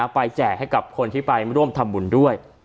แจกให้กับคนที่ไปร่วมทำบุญด้วย